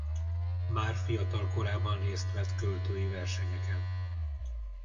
Már fiatal korában részt vett költői versenyeken.